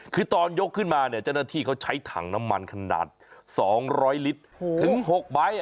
คือตอนยกขึ้นมาเนี่ยจณฑีเขาใช้ถังน้ำมันขนาดสองร้อยลิตรถึงหกใบ